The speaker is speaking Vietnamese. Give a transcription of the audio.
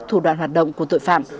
thủ đoạn hoạt động của tội phạm